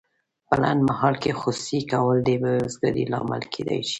په لنډمهال کې خصوصي کول د بې روزګارۍ لامل کیدای شي.